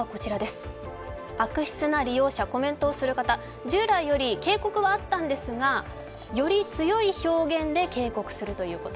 悪質な利用者、コメントをする方、従来より警告はあったんですが、より強い表現で警告するということ。